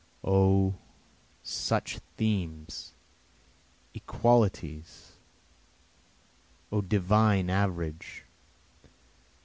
O such themes equalities! O divine average!